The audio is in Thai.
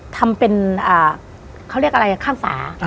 ทำเป็นเขาเรียกอะไรข้างฝา